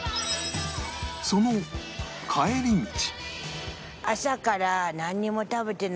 その帰り道